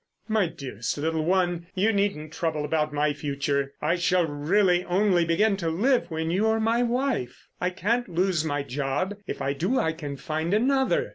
"My dearest little one, you needn't trouble about my future. I shall really only begin to live when you're my wife. I can't lose my job—if I do I can find another.